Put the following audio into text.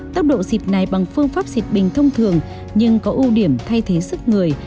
tốc độ xịt này bằng phương pháp xịt bình thông thường nhưng có ưu điểm thay thế sức người